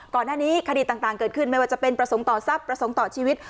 ก่อนหน้านี้คดีต่างเกิดขึ้นไม่ว่าจะเป็นประสงค์ต่อทรัพย์ประสงค์ต่อชีวิต